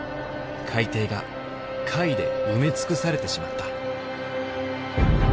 海底が貝で埋め尽くされてしまった。